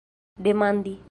demandi